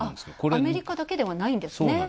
アメリカだけではないんですね。